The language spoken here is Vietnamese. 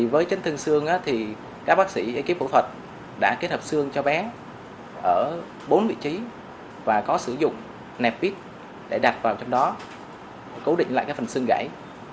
với chấn thương xương thì các bác sĩ phẫu thuật đã kết hợp xương cho bé ở bốn vị trí và có sử dụng nẹp pit để đặt vào trong đó cố định lại phần xương gãy